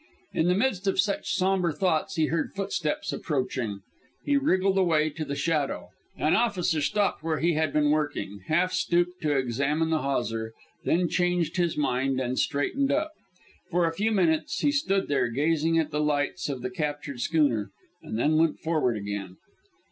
In the midst of such somber thoughts, he heard footsteps approaching. He wriggled away into the shadow. An officer stopped where he had been working, half stooped to examine the hawser, then changed his mind and straightened up. For a few minutes he stood there, gazing at the lights of the captured schooner, and then went forward again.